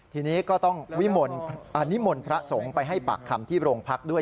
ทีนี้ก็ต้องนิมนต์พระสงฆ์ไปให้ปากคำที่โรงพักด้วย